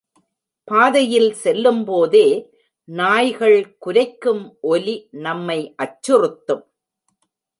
பாதையில் செல்லும் போதே நாய்கள் குரைக்கும் ஒலி நம்மை அச்சுறுத்தும்.